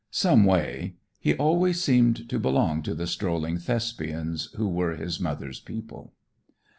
Some way he always seemed to belong to the strolling Thespians who were his mother's people.